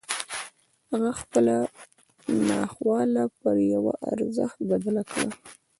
هغه خپله ناخواله پر يوه ارزښت بدله کړه.